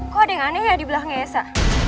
kok ada yang anehnya di belah ngesa